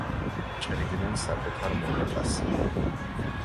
ჭრიდნენ საკუთარ მონეტას.